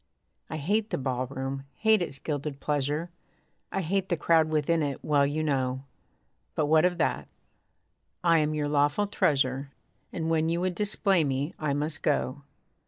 I hate the ballroom; hate its gilded pleasure; I hate the crowd within it, well you know; But what of that? I am your lawful treasure And when you would display me I must go.